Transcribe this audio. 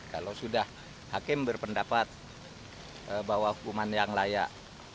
kalau sudah hakim berpendapat bahwa hukuman yang layak